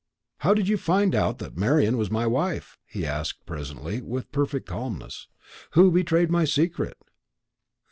"How did you find out that Marian was my wife?" he asked presently, with perfect calmness. "Who betrayed my secret?"